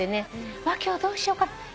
「今日どうしよう。